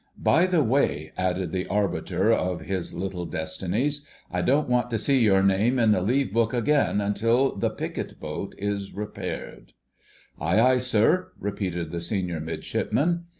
"By the way," added the Arbiter of his little destinies, "I don't want to see your name in the leave book again until the picket boat is repaired." "Aye, aye, sir," repeated the Senior Midshipman.